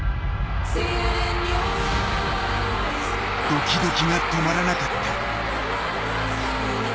ドキドキが止まらなかった。